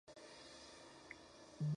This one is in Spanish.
Poseía dientes de primate herbívoro.